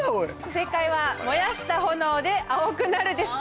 正解は「燃やした炎で青くなる」でした！